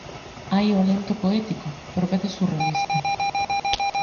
Hai o alento poético, por veces surrealista.